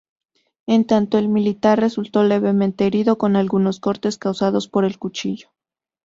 En tanto, el militar resultó levemente herido con algunos cortes causados por el cuchillo.